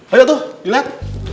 ayo tuh jalan